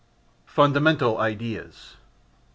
FUNDAMENTAL IDEAS. 1.